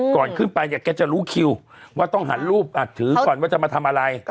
ก่อนขึ้นไปเนี่ยแกจะรู้คิวว่าต้องหันรูปอัดถือก่อนว่าจะมาทำอะไร